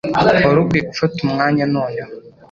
Wari ukwiye gufata umwanya noneho.